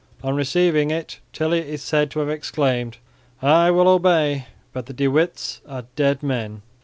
On receiving it Tilly is said to have exclaimed, "I will obey, but the De Witts are dead men."